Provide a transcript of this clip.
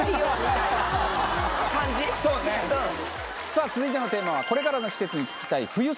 さぁ続いてのテーマはこれからの季節に聴きたい。